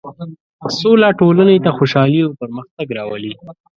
سوله ټولنې ته خوشحالي او پرمختګ راولي.